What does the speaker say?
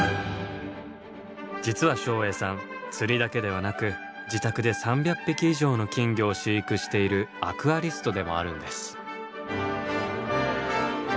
実は照英さん釣りだけではなく自宅で３００匹以上の金魚を飼育しているアクアリストでもあるんです。